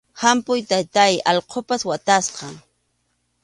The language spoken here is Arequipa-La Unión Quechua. ¡Hampuy, taytáy, allqupas watasqam!